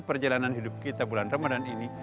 perjalanan hidup kita bulan ramadan ini